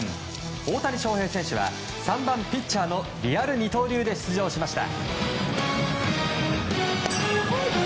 大谷翔平選手は３番ピッチャーのリアル二刀流で出場しました。